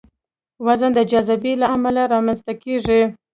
وزن د جاذبې له امله رامنځته کېږي.